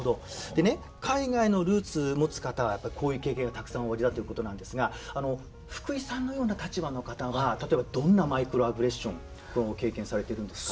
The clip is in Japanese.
でね海外のルーツ持つ方はやっぱりこういう経験がたくさんおありだということなんですが福井さんのような立場の方は例えばどんなマイクロアグレッション経験されてるんですか？